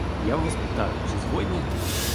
А я вас питаю, чи згодні?